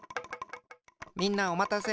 みんなおまたせ。